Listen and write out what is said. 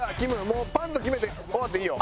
もうパンッと決めて終わっていいよ。